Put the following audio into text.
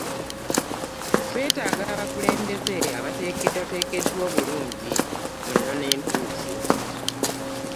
Twetaaga abakulembeze abateekeddwateekeddwa obulungi mu nnono entuufu.